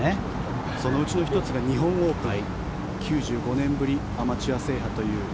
そのうちの１つが日本オープン９５年ぶりアマチュア制覇という。